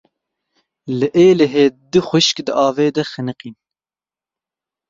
Li Êlihê du xwişk di avê de xeniqîn.